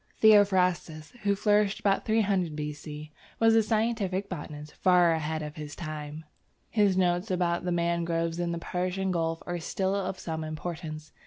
Theophrastus, who flourished about 300 B.C., was a scientific botanist far ahead of his time. His notes about the mangroves in the Persian gulf are still of some importance.